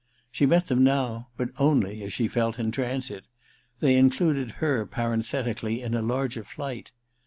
She met them now, but only, as she felt, in transit ; they included her parenthetically in a larger flight.